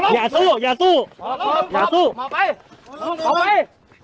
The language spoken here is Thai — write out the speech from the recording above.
อย่าสู้อย่าสู้อย่าสู้เอาไปออกไป